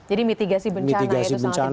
jadi mitigasi bencana itu sangat dibutuhkan